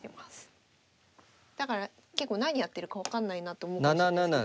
だから結構何やってるか分かんないなと思うかもしれませんけど。